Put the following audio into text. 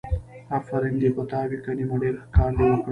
آفرين دې په تا وي کريمه ډېر ښه کار دې وکړ.